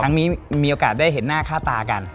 มีโอกาสได้เห็นหน้าค่าตากัน